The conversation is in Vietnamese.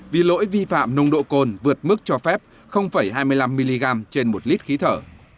vì lỗi vi phạm nồng độ cồn vượt mức cho phép hai mươi năm mg trên một lít khí thở